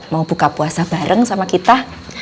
mau buka puasa bareng sama kita